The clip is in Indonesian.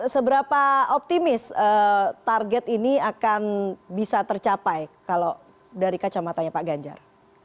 seberapa optimis target ini akan bisa tercapai kalau dari kacamatanya pak ganjar